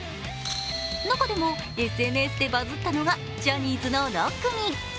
中でもＳＮＳでバズったのがジャニーズの６組。